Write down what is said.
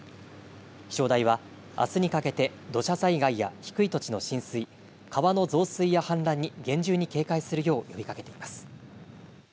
気象台はあすにかけて土砂災害や低い土地の浸水、川の増水や氾濫に厳重に警戒するよう呼びかけています。